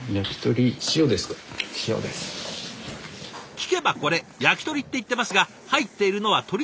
聞けばこれ「やきとり」って言ってますが入っているのは鶏ではなく豚！